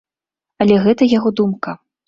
Але гэта яго думка.